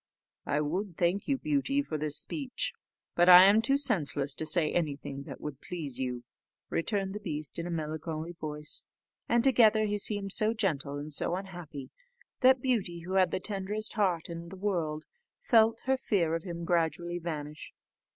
"I would thank you, Beauty, for this speech, but I am too senseless to say anything that would please you," returned the beast in a melancholy voice; and altogether he seemed so gentle and so unhappy, that Beauty, who had the tenderest heart in the world, felt her fear of him gradually vanish.